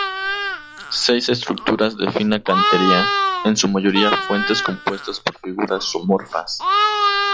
Seis estructuras de fina cantería, en su mayoría fuentes compuestas por figuras zoomorfas.